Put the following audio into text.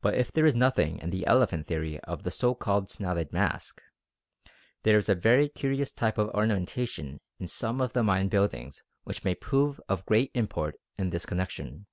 But if there is nothing in the elephant theory of the so called "snouted mask," there is a very curious type of ornamentation in some of the Mayan buildings which may prove of great import in this connection.